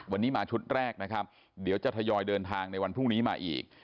วันนี้มาชุดแรกนะครับเดี๋ยวจะทยอยเดินทางในวันพรุ่งนี้มาอีก